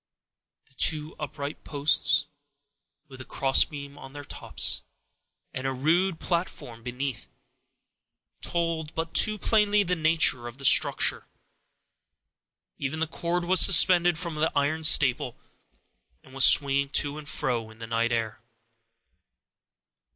The two upright posts, with a crossbeam on their tops, and a rude platform beneath, told but too plainly the nature of the structure; even the cord was suspended from an iron staple, and was swinging to and fro, in the night air.